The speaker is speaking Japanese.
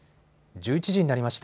１１時になりました。